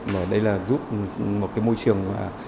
và đây là giúp một môi trường